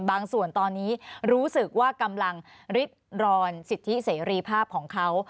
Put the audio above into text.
ส่วนตัวตอนนี้รู้สึกว่ากำลังริดรอนสิทธิเสรีภาพของเขา